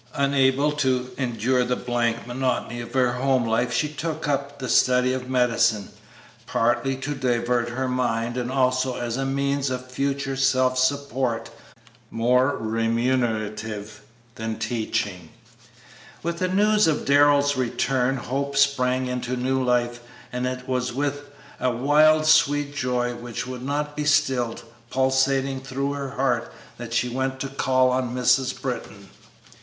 Unable to endure the blank monotony of her home life she took up the study of medicine, partly to divert her mind and also as a means of future self support more remunerative than teaching. With the news of Darrell's return, hope sprang into new life, and it was with a wild, sweet joy, which would not be stilled, pulsating through her heart, that she went to call on Mrs. Britton.